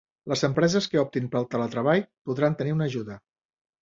Les empreses que optin pel teletreball podran tenir una ajuda